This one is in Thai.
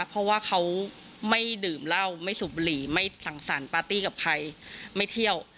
เพราะว่าเขาไม่ดื่มเหล้าไม่สูบบุหรี่ไม่สั่งสรรค์ปาร์ตี้กับใครไม่เที่ยว